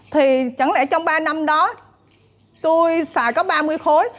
thì chẳng lẽ trong ba năm đó tôi xài có ba mươi khối